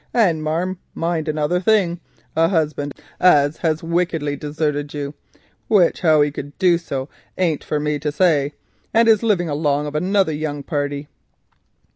And, marm, mind another thing, a husband as hev wickedly deserted you—which how he could do so it ain't for me to say—and is living along of another young party."